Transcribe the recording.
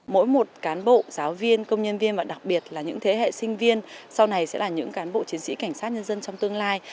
mỗi một cán bộ giáo viên công nhân viên và đặc biệt là những thế hệ sinh viên sau này sẽ là những cán bộ chiến sĩ cảnh sát nhân dân trong tương lai